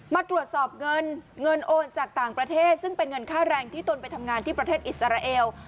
มาตรวจสอบเงินเงินโอนจากต่างประเทศซึ่งเป็นเงินค่าแรงที่ตนไปทำงานที่ประเทศอิสราเอล